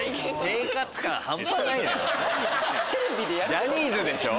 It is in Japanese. ジャニーズでしょ⁉